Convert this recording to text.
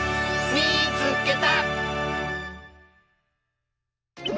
「みいつけた！」。